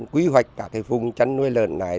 quy hoạch cả cái vùng chăn nuôi lợn này